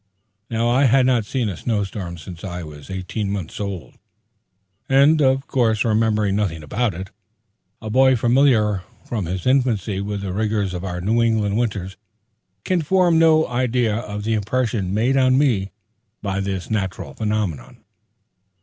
Now I had not seen a snow storm since I was eighteen months old, and of course remembered nothing about it. A boy familiar from his infancy with the rigors of our New England winters can form no idea of the impression made on me by this natural phenomenon.